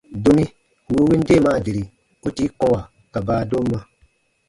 Domi wì u win deemaa deri, u tii kɔ̃wa ka baadomma.